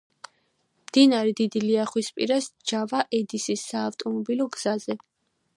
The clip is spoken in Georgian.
მდინარე დიდი ლიახვის ნაპირას, ჯავა–ედისის საავტომობილო გზაზე.